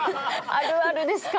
あるあるですね。